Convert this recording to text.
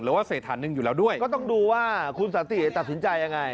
ว่าเศรษฐานหนึ่งอยู่แล้วด้วยก็ต้องดูว่าคุณสันติตัดสินใจยังไง